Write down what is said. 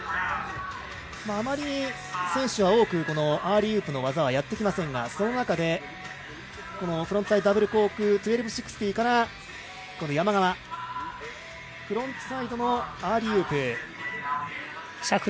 あまり、選手は多くアーリーウープの技はやってきませんがその中でこのフロントサイドダブルコーク１２６０から山側、フロントサイドのアーリーウープ。